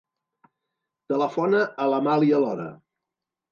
Telefona a l'Amàlia Lora.